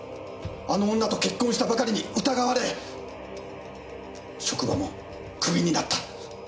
あの女と結婚したばかりに疑われ職場もクビになった。